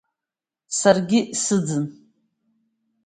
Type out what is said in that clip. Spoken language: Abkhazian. Саргьы сыӡын…